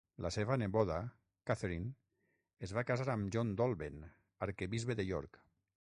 La seva neboda, Catherine, es va casar amb John Dolben, arquebisbe de York.